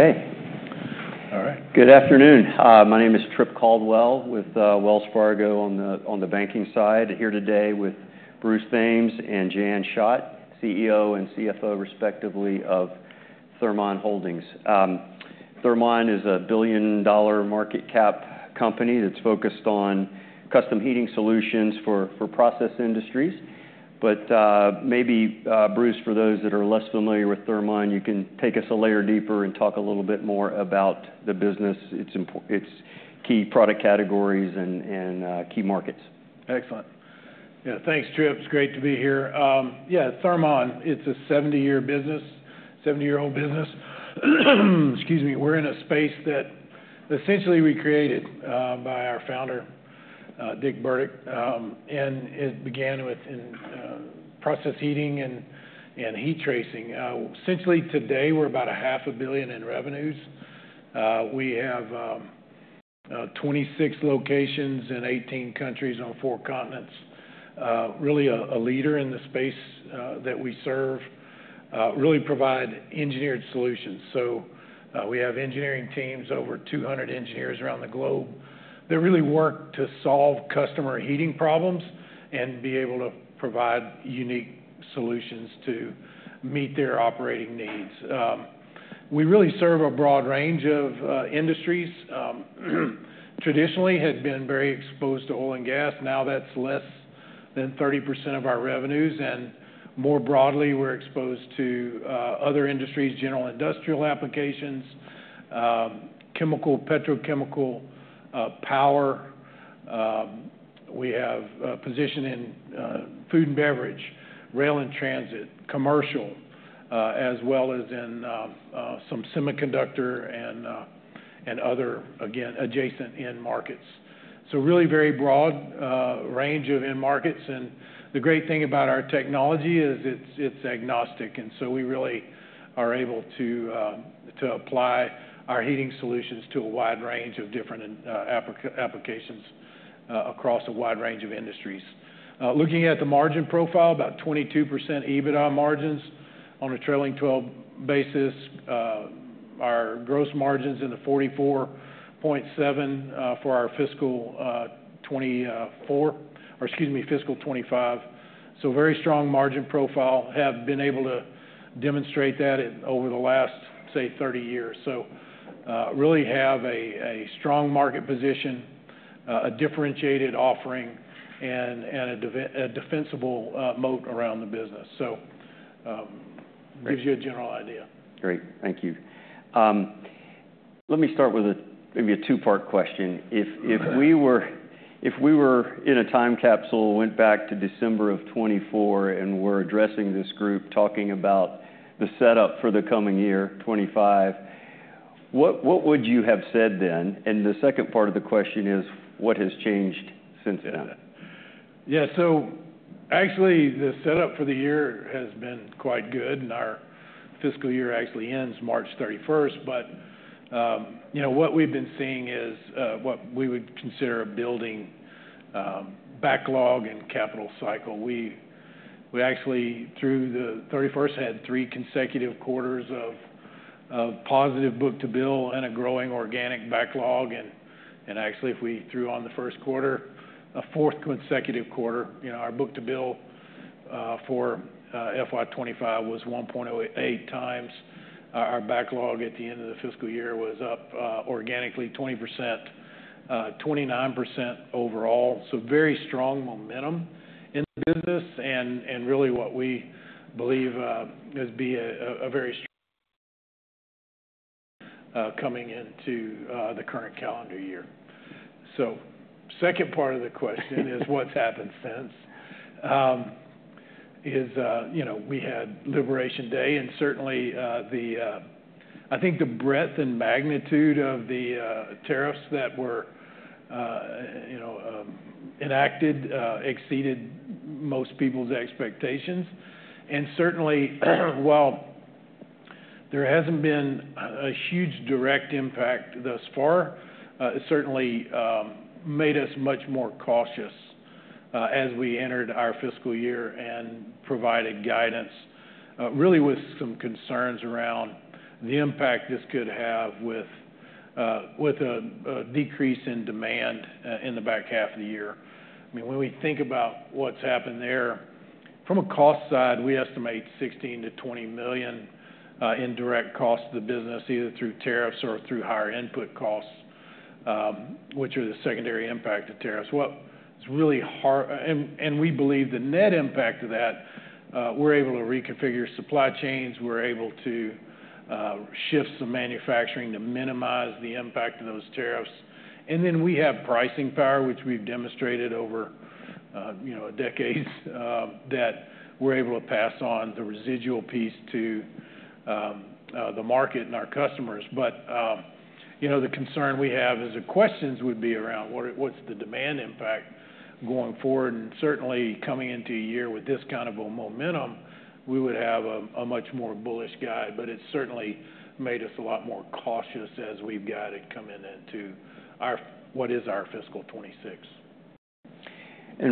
Okay. All right. Good afternoon. My name is Trip Caldwell with Wells Fargo on the banking side. Here today with Bruce Thames and Jan Schott, CEO and CFO respectively of Thermon Holdings. Thermon is a billion-dollar market cap company that's focused on custom heating solutions for process industries. Maybe, Bruce, for those that are less familiar with Thermon, you can take us a layer deeper and talk a little bit more about the business, its key product categories, and key markets. Excellent. Yeah, thanks, Trip. It's great to be here. Yeah, Thermon, it's a 70-year-old business. Excuse me. We're in a space that essentially we created by our founder, Dick Burdick, and it began with process heating and heat tracing. Essentially, today we're about $500,000,000 in revenues. We have 26 locations in 18 countries on four continents. Really a leader in the space that we serve, really provide engineered solutions. So we have engineering teams, over 200 engineers around the globe that really work to solve customer heating problems and be able to provide unique solutions to meet their operating needs. We really serve a broad range of industries. Traditionally, had been very exposed to oil and gas. Now that's less than 30% of our revenues. And more broadly, we're exposed to other industries, general industrial applications, chemical, petrochemical, power. We have a position in food and beverage, rail and transit, commercial, as well as in some semiconductor and other, again, adjacent end markets. Really very broad range of end markets. The great thing about our technology is it's agnostic. We really are able to apply our heating solutions to a wide range of different applications across a wide range of industries. Looking at the margin profile, about 22% EBITDA margins on a trailing 12 basis. Our gross margins in the 44.7% for our fiscal 2024, or excuse me, fiscal 2025. Very strong margin profile. Have been able to demonstrate that over the last, say, 30 years. Really have a strong market position, a differentiated offering, and a defensible moat around the business. It gives you a general idea. Great. Thank you. Let me start with maybe a two-part question. If we were in a time capsule, went back to December of 2024, and we were addressing this group talking about the setup for the coming year, 2025, what would you have said then? The second part of the question is, what has changed since then? Yeah, so actually the setup for the year has been quite good. Our fiscal year actually ends March 31st. What we've been seeing is what we would consider a building backlog and capital cycle. We actually, through the 31st, had three consecutive quarters of positive book to bill and a growing organic backlog. Actually, if we threw on the first quarter, a fourth consecutive quarter, our book to bill for FY 2025 was 1.8 times. Our backlog at the end of the fiscal year was up organically 20%, 29% overall. Very strong momentum in the business and really what we believe is be a very strong coming into the current calendar year. The second part of the question is, what's happened since? We had Liberation Day. Certainly, I think the breadth and magnitude of the tariffs that were enacted exceeded most people's expectations. Certainly, while there has not been a huge direct impact thus far, it certainly made us much more cautious as we entered our fiscal year and provided guidance really with some concerns around the impact this could have with a decrease in demand in the back half of the year. I mean, when we think about what has happened there, from a cost side, we estimate $16 million-$20 million in direct costs to the business, either through tariffs or through higher input costs, which are the secondary impact of tariffs. What is really hard, and we believe the net impact of that, we are able to reconfigure supply chains. We are able to shift some manufacturing to minimize the impact of those tariffs. Then we have pricing power, which we have demonstrated over decades that we are able to pass on the residual piece to the market and our customers. The concern we have is the questions would be around what's the demand impact going forward. Certainly, coming into a year with this kind of a momentum, we would have a much more bullish guide. It has certainly made us a lot more cautious as we've got to come into what is our fiscal 2026.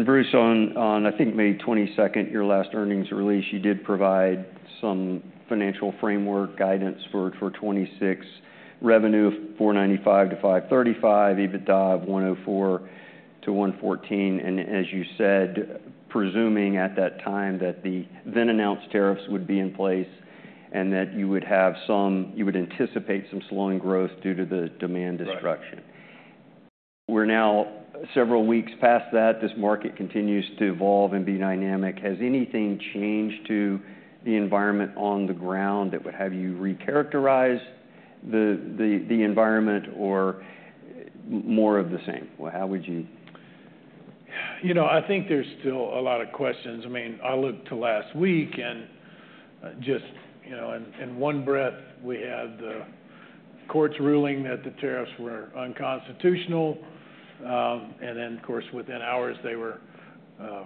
Bruce, on I think May 22nd, your last earnings release, you did provide some financial framework guidance for 2026 revenue, $495 million-$535 million, EBITDA of $104 million-$114 million. As you said, presuming at that time that the then announced tariffs would be in place and that you would have some, you would anticipate some slowing growth due to the demand destruction. We are now several weeks past that. This market continues to evolve and be dynamic. Has anything changed to the environment on the ground that would have you recharacterize the environment or more of the same? How would you? You know, I think there's still a lot of questions. I mean, I looked to last week and just in one breath, we had the court's ruling that the tariffs were unconstitutional. Then, of course, within hours, they were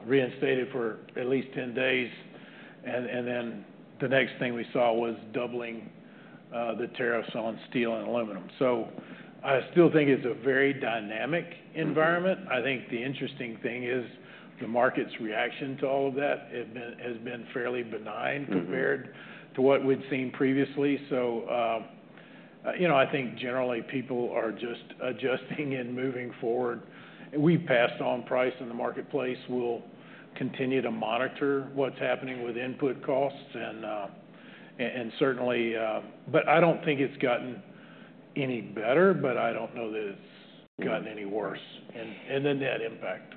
reinstated for at least 10 days. The next thing we saw was doubling the tariffs on steel and aluminum. I still think it's a very dynamic environment. I think the interesting thing is the market's reaction to all of that has been fairly benign compared to what we'd seen previously. I think generally people are just adjusting and moving forward. We've passed on price in the marketplace. We'll continue to monitor what's happening with input costs. Certainly, I don't think it's gotten any better, but I don't know that it's gotten any worse. The net impact.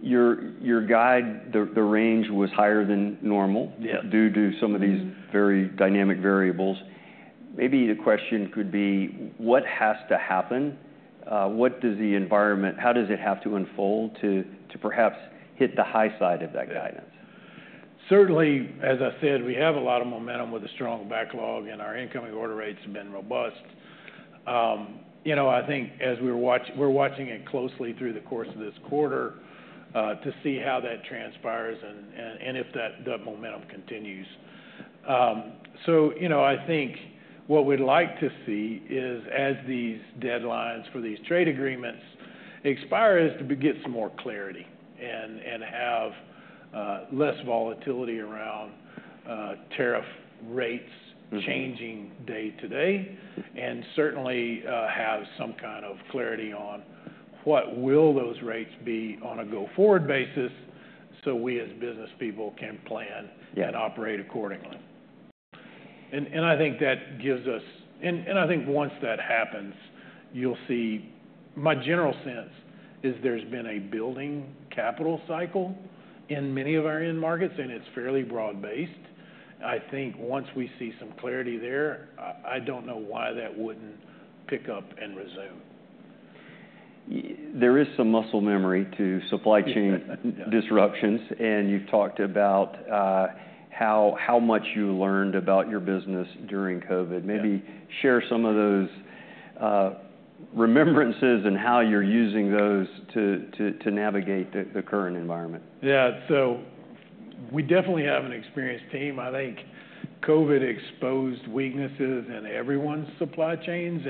Your guide, the range was higher than normal due to some of these very dynamic variables. Maybe the question could be, what has to happen? What does the environment, how does it have to unfold to perhaps hit the high side of that guidance? Certainly, as I said, we have a lot of momentum with a strong backlog and our incoming order rates have been robust. I think as we're watching it closely through the course of this quarter to see how that transpires and if that momentum continues. What we'd like to see is as these deadlines for these trade agreements expire is to get some more clarity and have less volatility around tariff rates changing day to day. Certainly have some kind of clarity on what will those rates be on a go forward basis so we as business people can plan and operate accordingly. I think that gives us, and I think once that happens, you'll see my general sense is there's been a building capital cycle in many of our end markets and it's fairly broad based. I think once we see some clarity there, I don't know why that wouldn't pick up and resume. There is some muscle memory to supply chain disruptions. You have talked about how much you learned about your business during COVID. Maybe share some of those remembrances and how you are using those to navigate the current environment. Yeah, so we definitely have an experienced team. I think COVID exposed weaknesses in everyone's supply chains.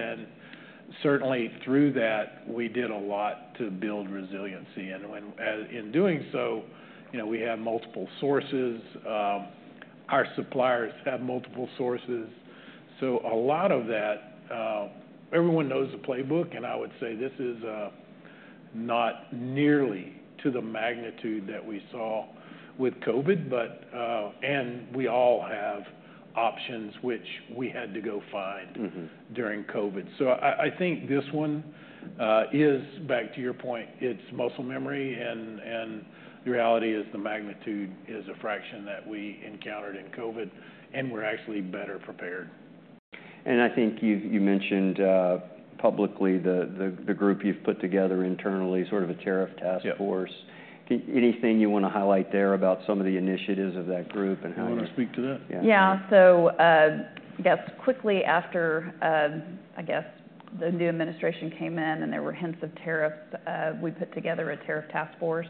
Certainly through that, we did a lot to build resiliency. In doing so, we have multiple sources. Our suppliers have multiple sources. A lot of that, everyone knows the playbook. I would say this is not nearly to the magnitude that we saw with COVID. We all have options, which we had to go find during COVID. I think this one is, back to your point, it's muscle memory. The reality is the magnitude is a fraction that we encountered in COVID. We're actually better prepared. I think you mentioned publicly the group you've put together internally, sort of a tariff task force. Anything you want to highlight there about some of the initiatives of that group and how you? You want to speak to that? Yeah. I guess quickly after the new administration came in and there were hints of tariffs, we put together a tariff task force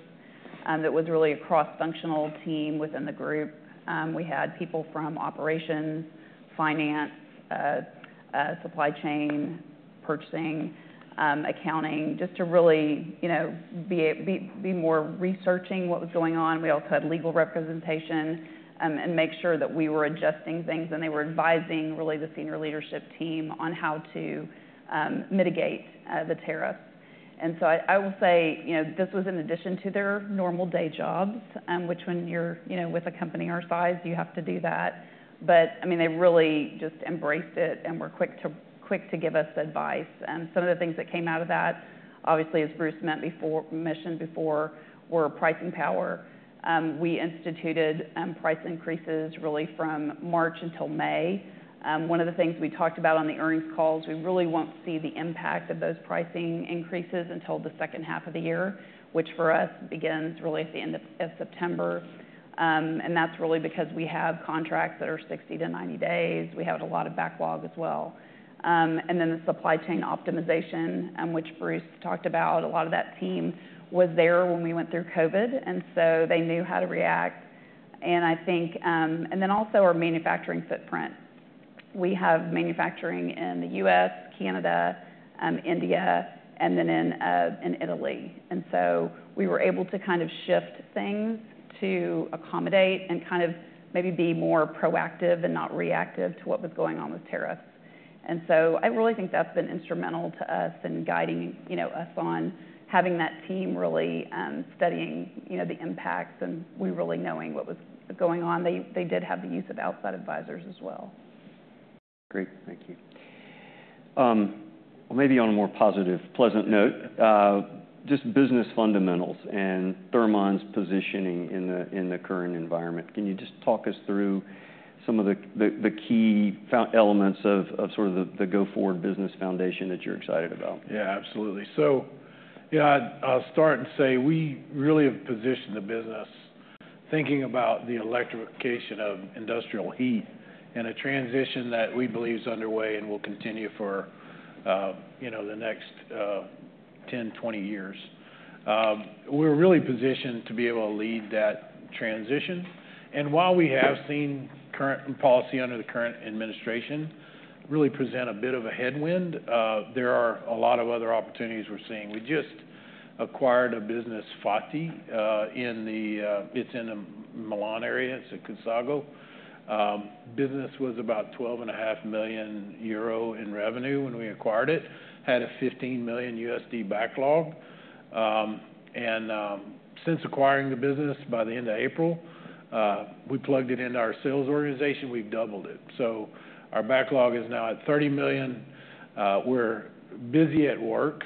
that was really a cross-functional team within the group. We had people from operations, finance, supply chain, purchasing, accounting, just to really be more researching what was going on. We also had legal representation to make sure that we were adjusting things. They were advising really the senior leadership team on how to mitigate the tariffs. I will say this was in addition to their normal day jobs, which when you're with a company our size, you have to do that. I mean, they really just embraced it and were quick to give us advice. Some of the things that came out of that, obviously, as Bruce mentioned before, were pricing power. We instituted price increases really from March until May. One of the things we talked about on the earnings calls, we really will not see the impact of those pricing increases until the second half of the year, which for us begins really at the end of September. That is really because we have contracts that are 60-90 days. We have a lot of backlog as well. The supply chain optimization, which Bruce talked about, a lot of that team was there when we went through COVID. They knew how to react. I think, and then also our manufacturing footprint. We have manufacturing in the U.S., Canada, India, and then in Italy. We were able to kind of shift things to accommodate and kind of maybe be more proactive and not reactive to what was going on with tariffs. I really think that's been instrumental to us in guiding us on having that team really studying the impacts and we really knowing what was going on. They did have the use of outside advisors as well. Great. Thank you. Maybe on a more positive, pleasant note, just business fundamentals and Thermon's positioning in the current environment. Can you just talk us through some of the key elements of sort of the go forward business foundation that you're excited about? Yeah, absolutely. I will start and say we really have positioned the business thinking about the electrification of industrial heat and a transition that we believe is underway and will continue for the next 10, 20 years. We are really positioned to be able to lead that transition. While we have seen current policy under the current administration really present a bit of a headwind, there are a lot of other opportunities we are seeing. We just acquired a business, F.A.T.I., in the Milan area. It is in Cusago. Business was about 12.5 million euro in revenue when we acquired it, had a $15 million backlog. Since acquiring the business by the end of April, we plugged it into our sales organization, we have doubled it. Our backlog is now at $30 million. We are busy at work,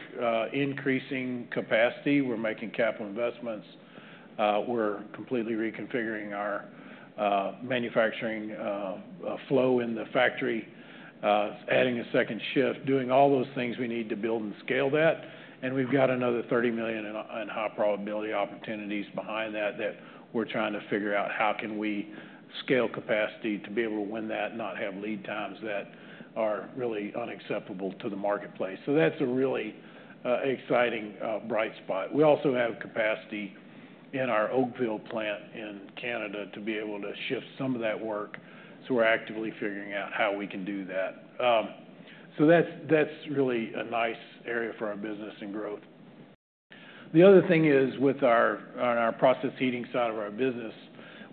increasing capacity. We are making capital investments. We're completely reconfiguring our manufacturing flow in the factory, adding a second shift, doing all those things we need to build and scale that. We've got another $30 million in high probability opportunities behind that that we're trying to figure out how can we scale capacity to be able to win that, not have lead times that are really unacceptable to the marketplace. That's a really exciting bright spot. We also have capacity in our Oakville plant in Canada to be able to shift some of that work. We're actively figuring out how we can do that. That's really a nice area for our business and growth. The other thing is with our process heating side of our business,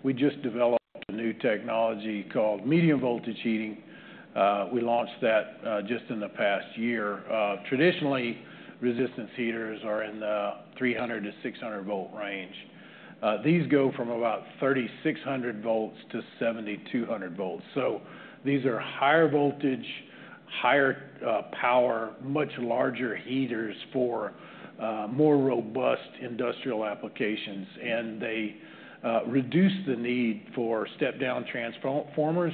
we just developed a new technology called medium voltage heating. We launched that just in the past year. Traditionally, resistance heaters are in the 300 V-600 V range. These go from about 3,600 V-7,200 V. These are higher voltage, higher power, much larger heaters for more robust industrial applications. They reduce the need for step-down transformers.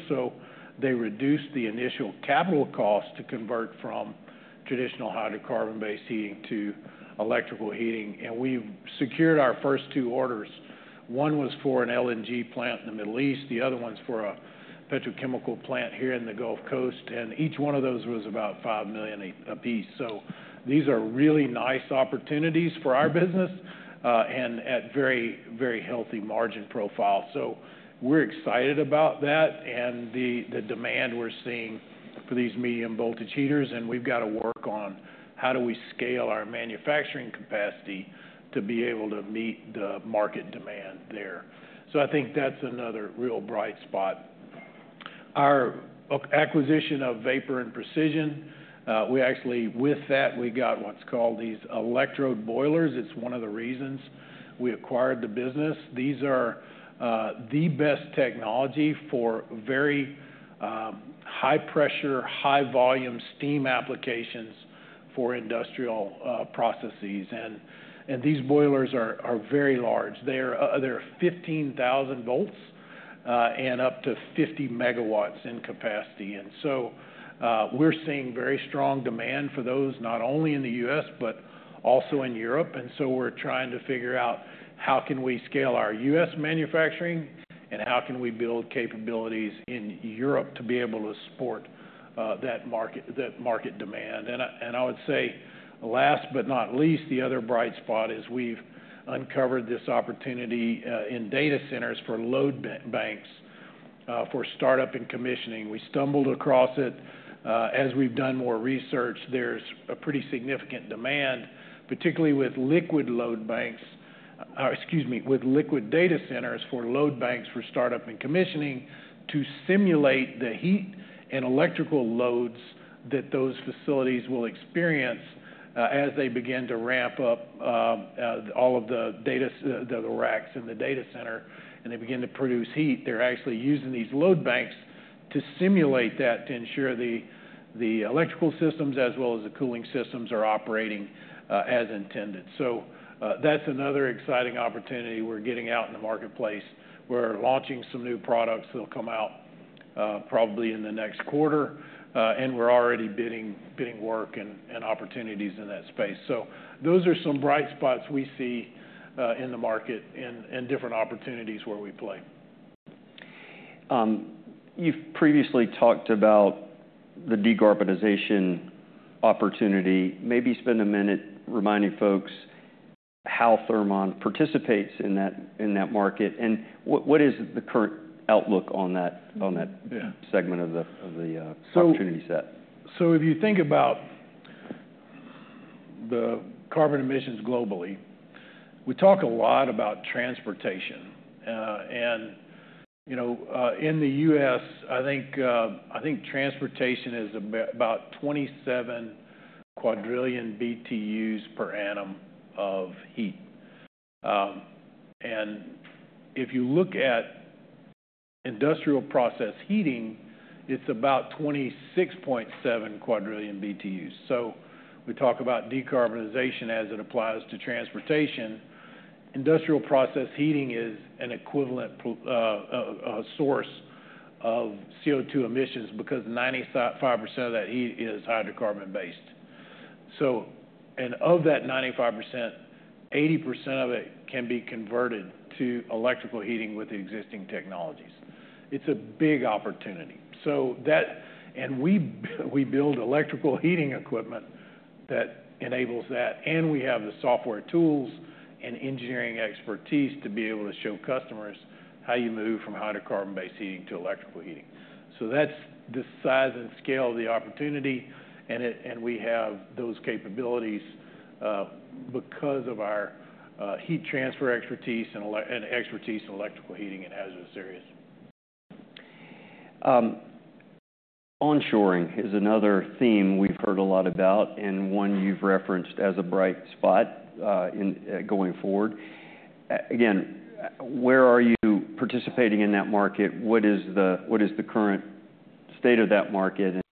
They reduce the initial capital cost to convert from traditional hydrocarbon-based heating to electrical heating. We have secured our first two orders. One was for an LNG plant in the Middle East. The other one is for a petrochemical plant here in the Gulf Coast. Each one of those was about $5 million a piece. These are really nice opportunities for our business and at very, very healthy margin profile. We are excited about that and the demand we are seeing for these medium voltage heaters. We have to work on how do we scale our manufacturing capacity to be able to meet the market demand there. I think that's another real bright spot. Our acquisition of Vapor and Precision, we actually with that, we got what's called these electrode boilers. It's one of the reasons we acquired the business. These are the best technology for very high pressure, high volume steam applications for industrial processes. These boilers are very large. They're 15,000 V and up to 50 MW in capacity. We're seeing very strong demand for those, not only in the U.S., but also in Europe. We're trying to figure out how can we scale our U.S. manufacturing and how can we build capabilities in Europe to be able to support that market demand. I would say last but not least, the other bright spot is we've uncovered this opportunity in data centers for load banks for startup and commissioning. We stumbled across it. As we've done more research, there's a pretty significant demand, particularly with liquid load banks, excuse me, with liquid data centers for load banks for startup and commissioning to simulate the heat and electrical loads that those facilities will experience as they begin to ramp up all of the data, the racks in the data center, and they begin to produce heat. They're actually using these load banks to simulate that to ensure the electrical systems as well as the cooling systems are operating as intended. That is another exciting opportunity we're getting out in the marketplace. We're launching some new products that'll come out probably in the next quarter. We are already bidding work and opportunities in that space. Those are some bright spots we see in the market and different opportunities where we play. You've previously talked about the decarbonization opportunity. Maybe spend a minute reminding folks how Thermon participates in that market. What is the current outlook on that segment of the opportunity set? If you think about the carbon emissions globally, we talk a lot about transportation. In the U.S., I think transportation is about 27 quadrillion BTUs per annum of heat. If you look at industrial process heating, it is about 26.7 quadrillion BTUs. We talk about decarbonization as it applies to transportation. Industrial process heating is an equivalent source of CO2 emissions because 95% of that heat is hydrocarbon-based. Of that 95%, 80% of it can be converted to electrical heating with existing technologies. It is a big opportunity. We build electrical heating equipment that enables that. We have the software tools and engineering expertise to be able to show customers how you move from hydrocarbon-based heating to electrical heating. That is the size and scale of the opportunity. We have those capabilities because of our heat transfer expertise and expertise in electrical heating and hazardous areas. Onshoring is another theme we've heard a lot about and one you've referenced as a bright spot going forward. Again, where are you participating in that market? What is the current state of that market and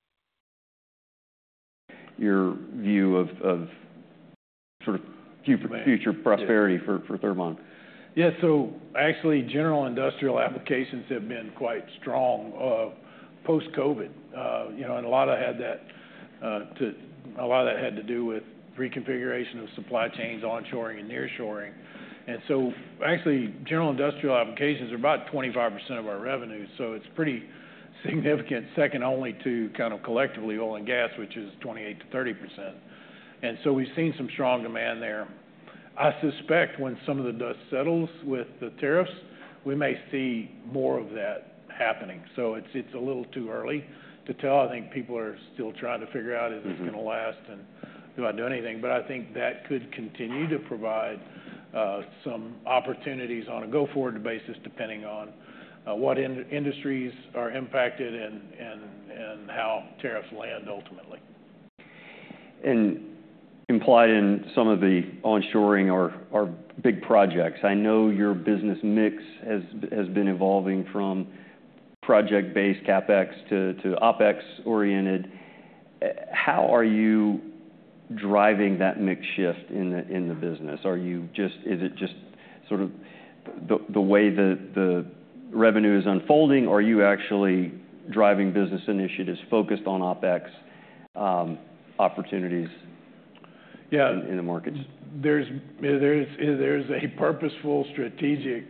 your view of sort of future prosperity for Thermon? Yeah, actually general industrial applications have been quite strong post-COVID. A lot of that had to do with reconfiguration of supply chains, onshoring and nearshoring. General industrial applications are about 25% of our revenue, so it's pretty significant, second only to kind of collectively oil and gas, which is 28%-30%. We've seen some strong demand there. I suspect when some of the dust settles with the tariffs, we may see more of that happening. It's a little too early to tell. I think people are still trying to figure out if it's going to last and do I do anything. I think that could continue to provide some opportunities on a go forward basis depending on what industries are impacted and how tariffs land ultimately. Implied in some of the onshoring are big projects. I know your business mix has been evolving from project-based CapEx to OpEx oriented. How are you driving that mix shift in the business? Are you just, is it just sort of the way the revenue is unfolding or are you actually driving business initiatives focused on OpEx opportunities in the markets? Yeah, there's a purposeful strategic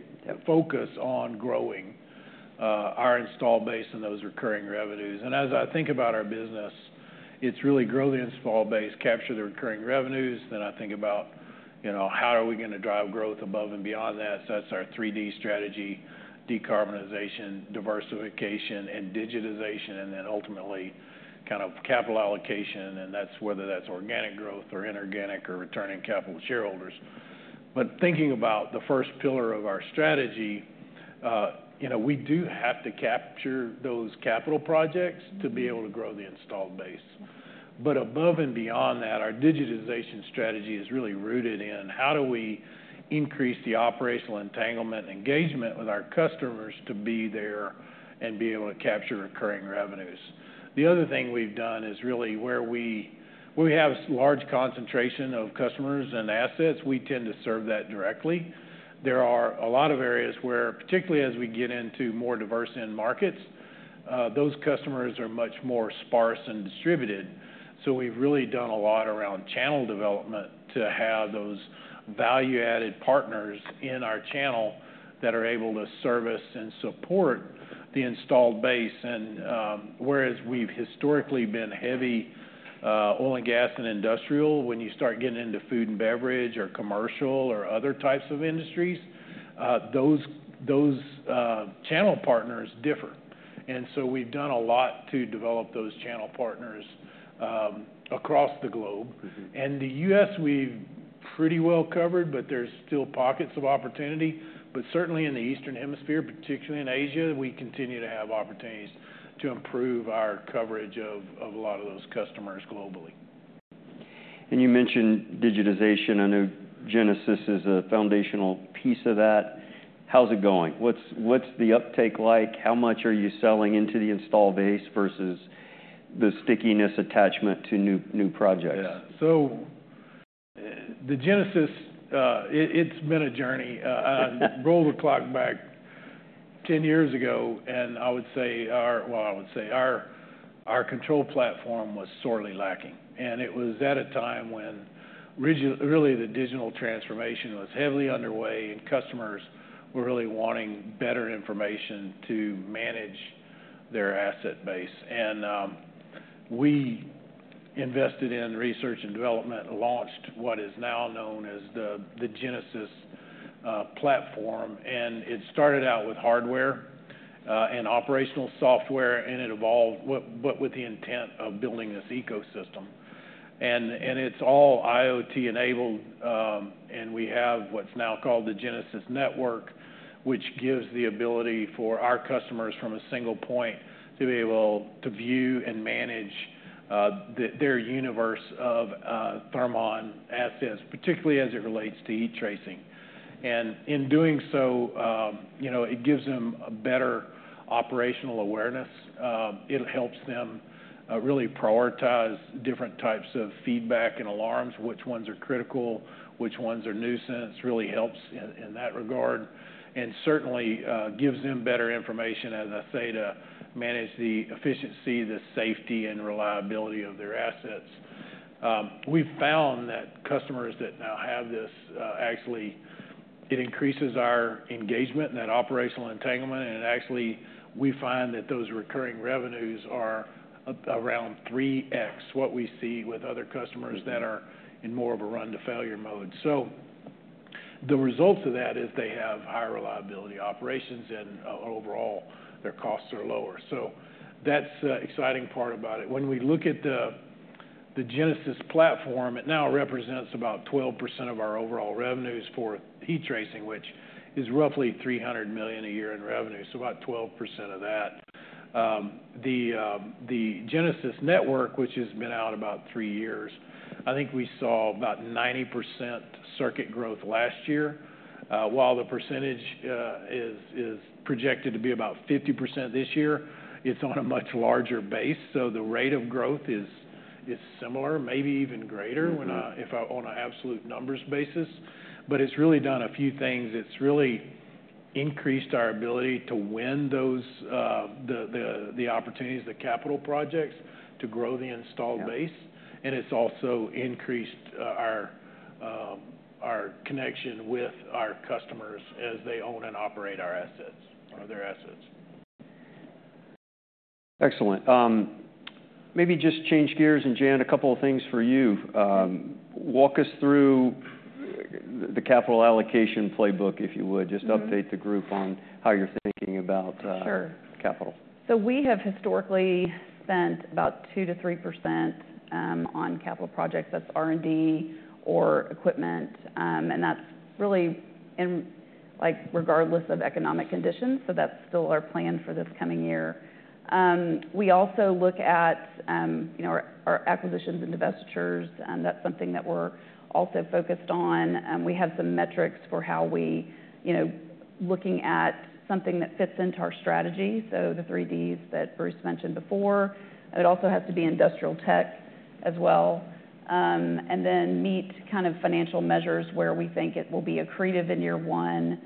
focus on growing our install base and those recurring revenues. As I think about our business, it's really grow the install base, capture the recurring revenues. I think about how are we going to drive growth above and beyond that. That's our 3D strategy: decarbonization, diversification, and digitization, and then ultimately kind of capital allocation. That's whether that's organic growth or inorganic or returning capital to shareholders. Thinking about the first pillar of our strategy, we do have to capture those capital projects to be able to grow the installed base. Above and beyond that, our digitization strategy is really rooted in how do we increase the operational entanglement engagement with our customers to be there and be able to capture recurring revenues. The other thing we've done is really where we have large concentration of customers and assets, we tend to serve that directly. There are a lot of areas where, particularly as we get into more diverse end markets, those customers are much more sparse and distributed. We have really done a lot around channel development to have those value-added partners in our channel that are able to service and support the installed base. Whereas we've historically been heavy oil and gas and industrial, when you start getting into food and beverage or commercial or other types of industries, those channel partners differ. We have done a lot to develop those channel partners across the globe. In the U.S., we've pretty well covered, but there's still pockets of opportunity. Certainly in the Eastern Hemisphere, particularly in Asia, we continue to have opportunities to improve our coverage of a lot of those customers globally. You mentioned digitization. I know Genesis is a foundational piece of that. How's it going? What's the uptake like? How much are you selling into the install base versus the stickiness attachment to new projects? Yeah, so the Genesis, it's been a journey. Roll the clock back 10 years ago, and I would say our control platform was sorely lacking. It was at a time when really the digital transformation was heavily underway and customers were really wanting better information to manage their asset base. We invested in research and development, launched what is now known as the Genesis platform. It started out with hardware and operational software, and it evolved, but with the intent of building this ecosystem. It's all IoT enabled. We have what's now called the Genesis Network, which gives the ability for our customers from a single point to be able to view and manage their universe of Thermon assets, particularly as it relates to heat tracing. In doing so, it gives them a better operational awareness. It helps them really prioritize different types of feedback and alarms, which ones are critical, which ones are nuisance. It really helps in that regard. It certainly gives them better information, as I say, to manage the efficiency, the safety, and reliability of their assets. We've found that customers that now have this actually, it increases our engagement, that operational entanglement. Actually, we find that those recurring revenues are around 3x what we see with other customers that are in more of a run-to-failure mode. The results of that is they have higher reliability operations and overall their costs are lower. That's the exciting part about it. When we look at the Genesis platform, it now represents about 12% of our overall revenues for heat tracing, which is roughly $300 million a year in revenue. About 12% of that. The Genesis Network, which has been out about three years, I think we saw about 90% circuit growth last year. While the percentage is projected to be about 50% this year, it's on a much larger base. The rate of growth is similar, maybe even greater if I'm on an absolute numbers basis. It has really done a few things. It has really increased our ability to win the opportunities, the capital projects to grow the install base. It has also increased our connection with our customers as they own and operate our assets or their assets. Excellent. Maybe just change gears and Jan, a couple of things for you. Walk us through the capital allocation playbook, if you would, just update the group on how you're thinking about capital. We have historically spent about 2%-3% on capital projects. That is R&D or equipment. That is really regardless of economic conditions. That is still our plan for this coming year. We also look at our acquisitions and divestitures. That is something that we are also focused on. We have some metrics for how we are looking at something that fits into our strategy. The 3Ds that Bruce mentioned before. It also has to be industrial tech as well. Then meet kind of financial measures where we think it will be accretive in year one.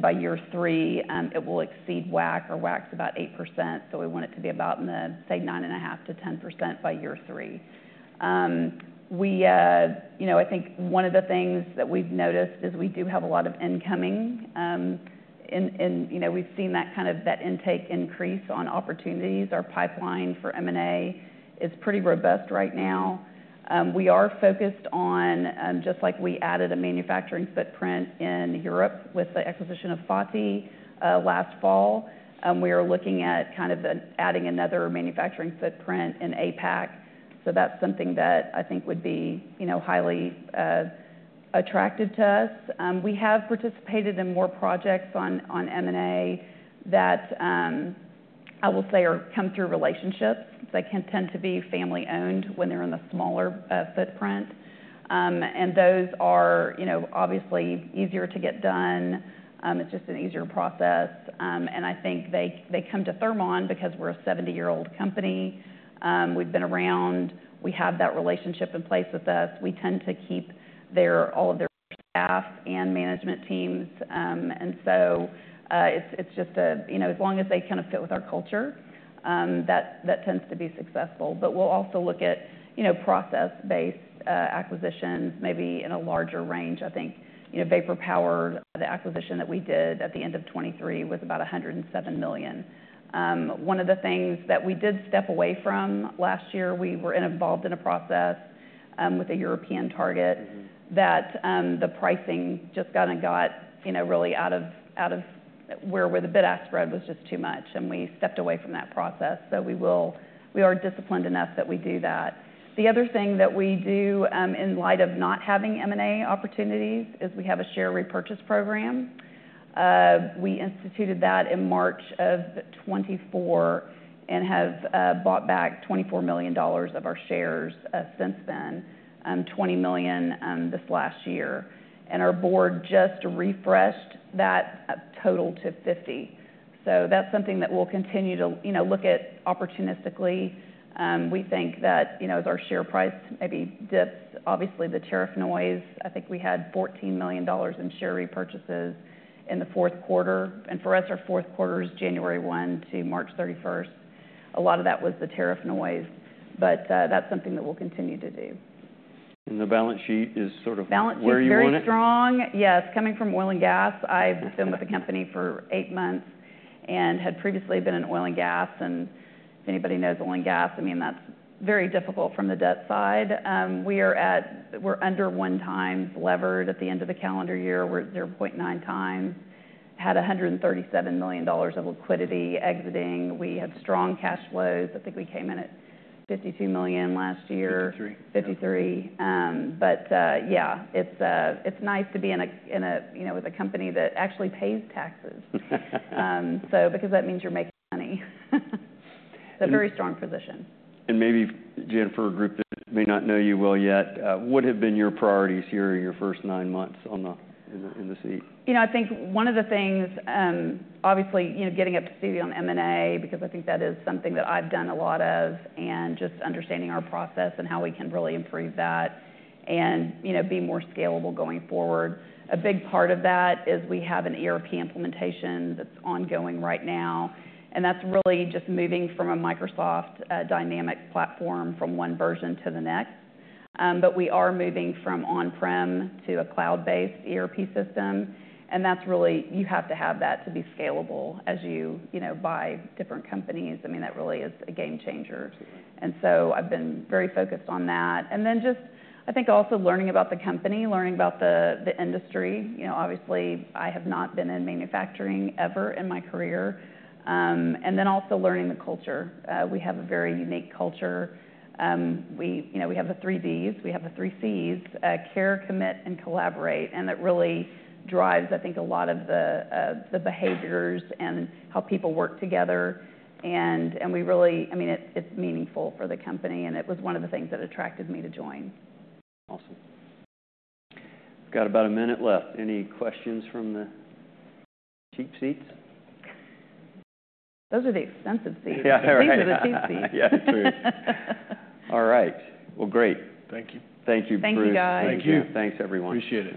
By year three, it will exceed WAC or WAC is about 8%. We want it to be about in the, say, 9.5%-10% by year three. I think one of the things that we have noticed is we do have a lot of incoming. We have seen that kind of intake increase on opportunities. Our pipeline for M&A is pretty robust right now. We are focused on, just like we added a manufacturing footprint in Europe with the acquisition of F.A.T.I. last fall. We are looking at kind of adding another manufacturing footprint in APAC. That is something that I think would be highly attractive to us. We have participated in more projects on M&A that I will say come through relationships. They can tend to be family-owned when they are in a smaller footprint. Those are obviously easier to get done. It is just an easier process. I think they come to Thermon because we are a 70-year-old company. We have been around. We have that relationship in place with us. We tend to keep all of their staff and management teams. It is just as long as they kind of fit with our culture, that tends to be successful. We will also look at process-based acquisitions maybe in a larger range. I think Vapor Power, the acquisition that we did at the end of 2023, was about $107 million. One of the things that we did step away from last year, we were involved in a process with a European target that the pricing just got really out of where the bid-ask spread was just too much. We stepped away from that process. We are disciplined enough that we do that. The other thing that we do in light of not having M&A opportunities is we have a share repurchase program. We instituted that in March of 2024 and have bought back $24 million of our shares since then, $20 million this last year. Our board just refreshed that total to $50 million. That is something that we will continue to look at opportunistically. We think that as our share price maybe dips, obviously the tariff noise. I think we had $14 million in share repurchases in the fourth quarter. For us, our fourth quarter is January 1 to March 31st. A lot of that was the tariff noise. That is something that we will continue to do. The balance sheet is sort of where you want it? Balance sheet is very strong. Yes, coming from oil and gas. I've been with the company for eight months and had previously been in oil and gas. And if anybody knows oil and gas, I mean, that's very difficult from the debt side. We're under one times levered at the end of the calendar year. We're 0.9 times. Had $137 million of liquidity exiting. We had strong cash flows. I think we came in at $52 million last year. $53 million. Yeah, it's nice to be with a company that actually pays taxes. So because that means you're making money. It's a very strong position. Maybe Jan, for a group that may not know you well yet, what have been your priorities here in your first nine months in the seat? You know, I think one of the things, obviously getting up to speed on M&A, because I think that is something that I've done a lot of, and just understanding our process and how we can really improve that and be more scalable going forward. A big part of that is we have an ERP implementation that's ongoing right now. That's really just moving from a Microsoft Dynamics platform from one version to the next. We are moving from on-prem to a cloud-based ERP system. You have to have that to be scalable as you buy different companies. I mean, that really is a game changer. I've been very focused on that. I think also learning about the company, learning about the industry. Obviously, I have not been in manufacturing ever in my career. Also learning the culture. We have a very unique culture. We have the 3Ds. We have the 3Cs, care, commit, and collaborate. That really drives, I think, a lot of the behaviors and how people work together. I mean, it is meaningful for the company. It was one of the things that attracted me to join. Awesome. We've got about a minute left. Any questions from the cheap seats? Those are the expensive seats. These are the cheap seats. Yeah, true. All right. Great. Thank you. Thank you, Bruce. Thank you, guys. Thank you. Thanks, everyone. Appreciate it.